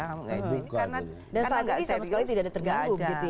karena gak serius